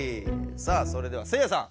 さあそれではせいやさん。